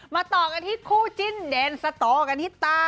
มาต่อกันที่คู่จิ้นเดนสตที่ตา